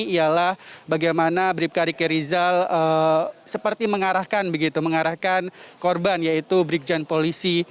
ialah bagaimana bipka riki rizal seperti mengarahkan korban yaitu brikjen polisi